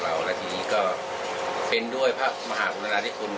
และทีนี้ก็เป็นด้วยพระมหาภุรณาทิกุล